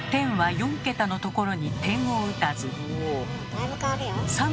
だいぶ変わるよ。